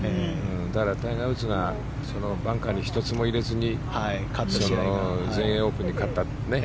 だから、タイガー・ウッズがバンカーに１つも入れずに全英オープンに勝った。